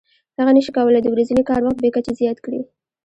هغه نشي کولای د ورځني کار وخت بې کچې زیات کړي